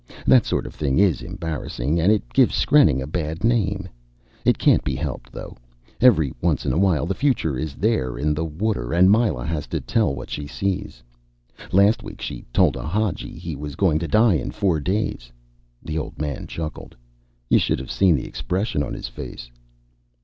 That sort of thing is embarrassing, and it gives skrenning a bad name. It can't be helped, though. Every once in a while the future is there in the water, and Myla has to tell what she sees. Last week she told a Hadji he was going to die in four days." The old man chuckled. "You should have seen the expression on his face."